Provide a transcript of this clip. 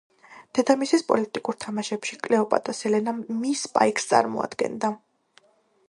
დედამისის პოლიტიკურ თამაშებში კლეოპატა სელენა მის პაიკს წარმოადგენდა.